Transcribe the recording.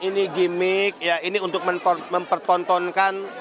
ini gimmick ya ini untuk mempertontonkan